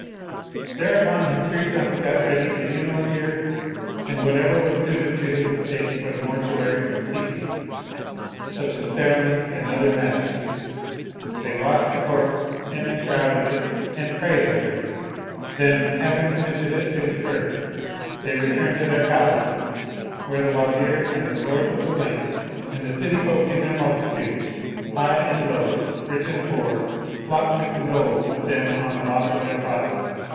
Thereupon his three sons got ready the funeral gear and whatever was suited to his estate for the mortuary obsequies such as cere ments and other matters: they washed the corpse and en shrouded it and prayed over it: then, having committed it to the earth they returned to their palaces where the Wazirs and the Lords of the Land and the city folk in their multi tudes, high and low, rich and poor, flocked to condole with them on the loss of their father.